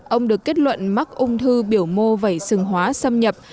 ông được kết luận mắc ung thư biểu mô vẩy sừng hóa xâm nhập